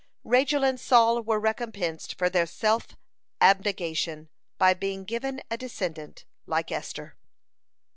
Rachel and Saul were recompensed for their self abnegation by being given a descendant like Esther.